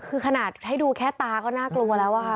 คือขนาดให้ดูแค่ตาก็น่ากลัวแล้วอะค่ะ